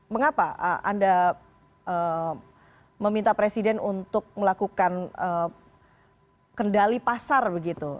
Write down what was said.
mengapa anda meminta presiden untuk melakukan kendali pasar begitu